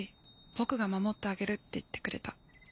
「僕が守ってあげる」って言ってくれた。